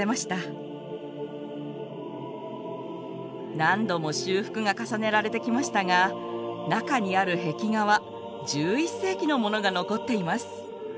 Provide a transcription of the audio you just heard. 何度も修復が重ねられてきましたが中にある壁画は１１世紀のものが残っています。